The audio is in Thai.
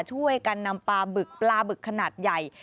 ช่วยกันนำปลาบึกปลาบึกขนาดใหญ่